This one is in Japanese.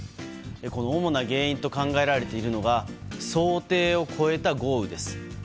主な原因と考えられているのは想定を超えた豪雨です。